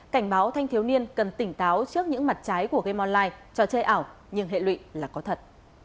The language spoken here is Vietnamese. cảnh báo thanh thiếu niên cần tỉnh táo trước những mặt trái của gam online trò chơi ảo nhưng hệ lụy là có thật